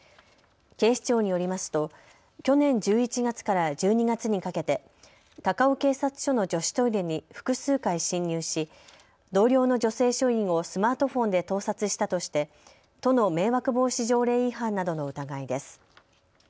警視庁によりますと去年１１月から１２月にかけて高尾警察署の女子トイレに複数回侵入し、同僚の女性署員をスマートフォンで盗撮したとして都の迷惑防止条例違反などの疑いです。